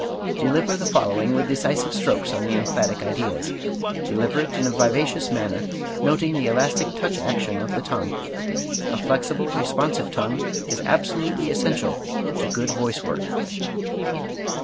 Deliver the following with decisive strokes on the emphatic ideas. Deliver it in a vivacious manner, noting the elastic touch action of the tongue. A flexible, responsive tongue is absolutely essential to good voice work.